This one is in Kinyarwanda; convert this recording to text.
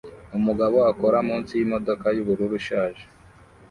Umugabo akora munsi yimodoka yubururu ishaje